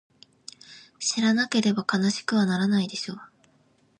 知らなければ悲しくはならないでしょ？